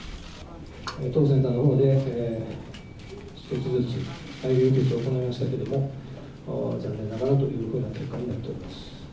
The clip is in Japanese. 当センターのほうで、止血と大量輸血を行いましたけれども、残念だなというふうな結果になっております。